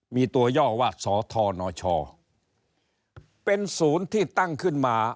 มีตัวย่อว่าสธนชเป็นศูนย์ที่ตั้งขึ้นมา